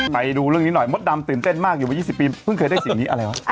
ไปดูเรื่องนี้หน่อยมดดำตื่นเต้นมากอยู่มา๒๐ปีเพิ่งเคยได้สิ่งนี้อะไรวะ